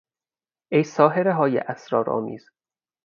ای ساحرههای اسرارآمیز!